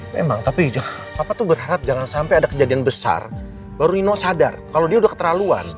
memang tapi papa tuh berharap jangan sampai ada kejadian besar baru nino sadar kalau dia udah keterlaluan